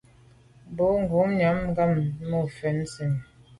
Bo ghom nyàm gham mum fèn sènni.